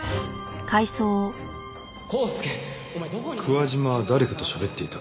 桑島は誰かとしゃべっていた。